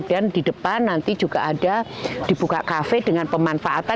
dan di depan nanti dibuka kafe dengan pemanfaatan